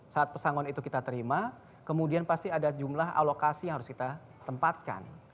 saat pesangon itu kita terima kemudian pasti ada jumlah alokasi yang harus kita tempatkan